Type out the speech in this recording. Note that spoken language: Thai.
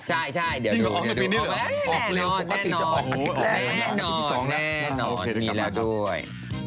ใช่เดี๋ยวดูแน่นอนแน่นอนมีแล้วด้วย